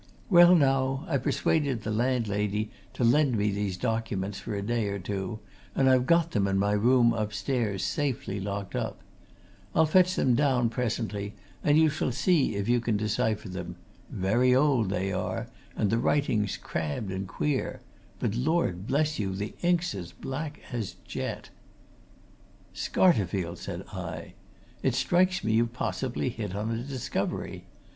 Well, now, I persuaded the landlady to lend me these documents for a day or two, and I've got them in my room upstairs, safely locked up I'll fetch them down presently and you shall see if you can decipher them very old they are, and the writing crabbed and queer but Lord bless you, the ink's as black as jet!" "Scarterfield!" said I. "It strikes me you've possibly hit on a discovery.